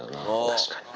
確かに。